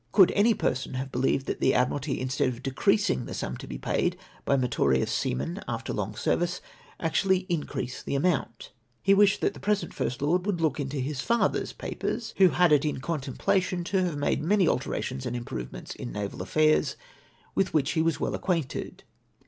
Could any person have believed that the Admiralty, instead of decreasiiif/ the sum to be paid by meritorious seamen after long service, actually incj'case the amount? He wished that the present first lord would look into his father's papers, who had it in contemplation to have made many alterations and improvements in naval affairs, with which he was well acquainted.